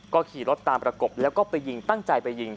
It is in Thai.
ก็ขี่รถตามประกบแล้วก็ไปยิงตั้งใจไปยิง